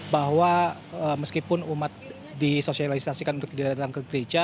bahwa meskipun umat disosialisasikan untuk tidak datang ke gereja